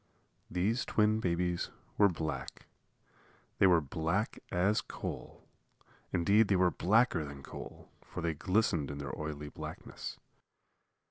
These twin babies were black. They were black as coal. Indeed, they were blacker than coal, for they glistened in their oily blackness.